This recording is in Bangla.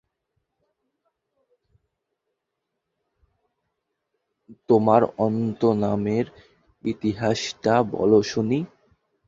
তোমার অন্তু নামের ইতিহাসটা বলো শুনি।